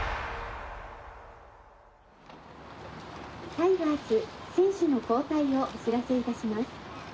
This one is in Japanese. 「タイガース選手の交代をお知らせ致します」